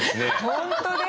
本当です。